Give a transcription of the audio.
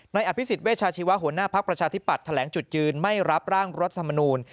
อภิษฎเวชาชีวะหัวหน้าภักดิ์ประชาธิปัตย์แถลงจุดยืนไม่รับร่างรัฐมนูล